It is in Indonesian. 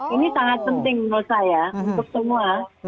ini sangat penting menurut saya untuk semua